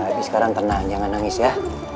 abie sekarang tenang jangan nangis ya